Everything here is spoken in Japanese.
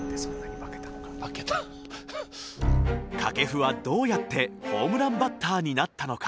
掛布はどうやってホームランバッターになったのか。